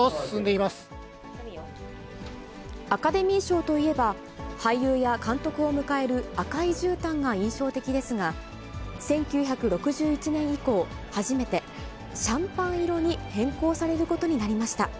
アカデミー賞といえば、俳優や監督を迎える赤いじゅうたんが印象的ですが、１９６１年以降初めて、シャンパン色に変更されることになりました。